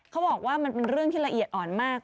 เขาบอกว่ามันเป็นเรื่องที่ละเอียดอ่อนมาก